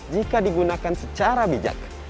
jika digunakan secara bijak